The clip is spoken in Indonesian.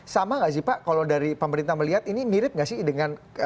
sama nggak sih pak kalau dari pemerintah melihat ini mirip nggak sih dengan